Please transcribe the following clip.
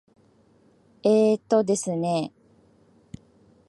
えーとですね。